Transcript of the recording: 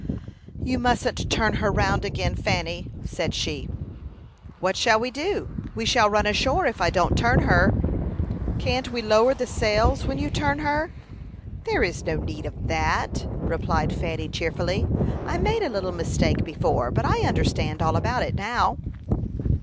"You mustn't turn her round again, Fan," said she. "What shall we do? We shall run ashore if I don't turn her." "Can't we lower the sails when you turn her?" "There is no need of that," replied Fanny, cheerfully. "I made a little mistake before, but I understand all about it now."